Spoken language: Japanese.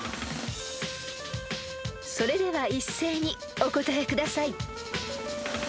［それでは一斉にお答えください］